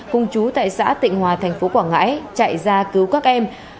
cùng chú tại xã tịnh hòa thành phố quảng ngãi chạy ra cứu các em